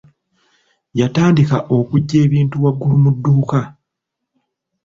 Yatandika okuggya ebintu waggulu mu dduuka.